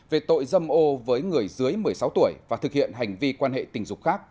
về tội dâm ô với người dưới một mươi sáu tuổi và thực hiện hành vi quan hệ tình dục khác